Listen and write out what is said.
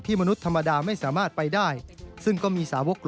ที่มนุษย์ธรรมดาไม่สามารถไปได้